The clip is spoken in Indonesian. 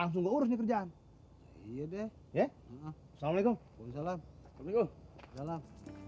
assalamualaikum waalaikumsalam waalaikumsalam